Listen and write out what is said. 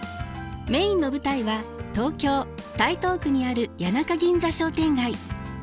メインの舞台は東京・台東区にある谷中銀座商店街。